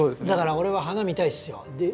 だから俺は花見たいですよ。